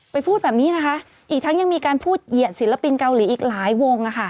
พูดแบบนี้นะคะอีกทั้งยังมีการพูดเหยียดศิลปินเกาหลีอีกหลายวง